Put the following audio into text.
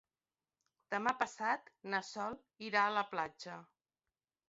Demà passat na Sol irà a la platja.